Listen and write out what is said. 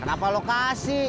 kenapa lo kasih